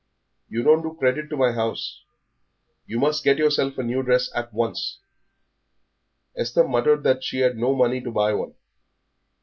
You don't do credit to my house; you must get yourself a new dress at once." Esther muttered that she had no money to buy one.